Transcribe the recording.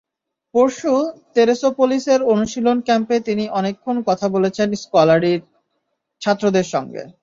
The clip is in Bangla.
পরশু তেরেসোপোলিসের অনুশীলন ক্যাম্পে তিনি অনেকক্ষণ কথা বলেছেন স্কলারির ছাত্রদের সঙ্গে।